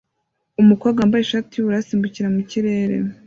Umukobwa wambaye ishati yubururu asimbukira mu kirere